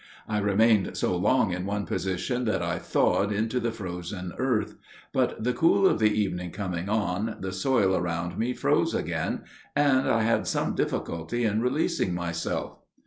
I remained so long in one position that I thawed into the frozen earth; but the cool of the evening coming on, the soil around me froze again, and I had some difficulty in releasing myself.